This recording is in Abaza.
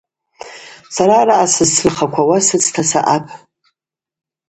Са араъа сызцынхаквауа сыцта саъапӏ.